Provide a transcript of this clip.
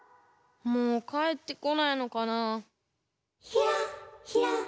もうかえってこないのかなあ。